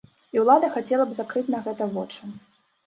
І ўлада хацела б закрыць на гэта вочы.